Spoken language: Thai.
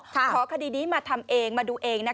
ขอคดีนี้มาทำเองมาดูเองนะคะ